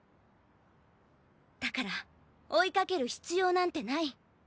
だから追いかける必要なんてない。